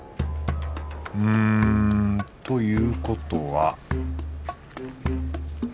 うんということは